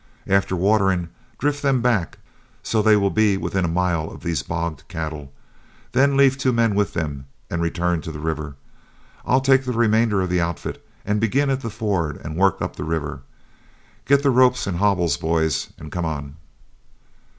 After watering, drift them back, so they will be within a mile of these bogged cattle. Then leave two men with them and return to the river. I'll take the remainder of the outfit and begin at the ford and work up the river. Get the ropes and hobbles, boys, and come on."